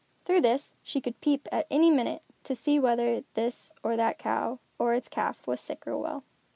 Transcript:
Through this, she could peep, at any minute, to see whether this or that cow, or its calf, was sick or well.